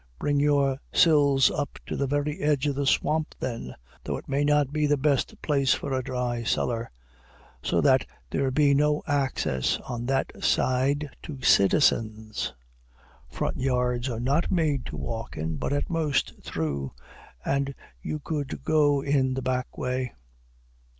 Bring your sills up to the very edge of the swamp, then, (though it may not be the best place for a dry cellar,) so that there be no access on that side to citizens. Front yards are not made to walk in, but, at most, through, and you could go in the back way.